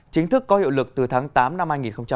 chính thức có hiệu lực từ tháng tám năm hai nghìn hai mươi